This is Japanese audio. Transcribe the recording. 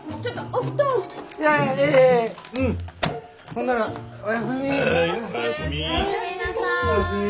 おやすみなさい。